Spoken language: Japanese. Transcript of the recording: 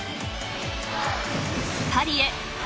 ［パリへ！